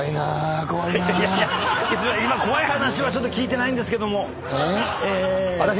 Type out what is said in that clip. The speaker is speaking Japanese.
今怖い話はちょっと聞いてないんですけども。